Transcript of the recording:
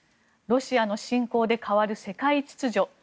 ロシアの侵攻で変わる世界秩序